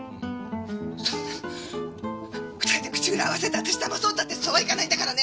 そんな２人で口裏合わせて私だまそうったってそうはいかないんだからね。